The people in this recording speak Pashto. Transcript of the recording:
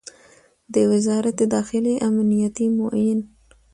د وزارت داخلې امنیتي معین